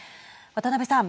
渡辺さん。